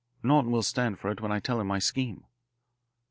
Norton will stand for it when I tell him my scheme."